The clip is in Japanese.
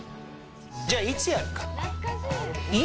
じゃあいつやるか？